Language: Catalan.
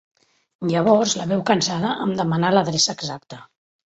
Llavors la veu cansada em demana l'adreça exacta.